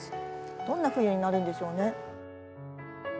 どんな冬になるんでしょうね？